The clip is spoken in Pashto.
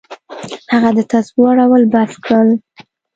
هغه د تسبو اړول بس کړل.